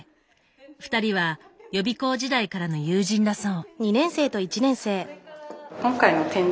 ２人は予備校時代からの友人だそう。